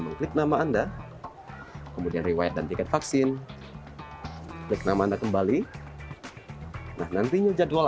mengklik nama anda kemudian riwayat dan tiket vaksin klik nama anda kembali nah nantinya jadwal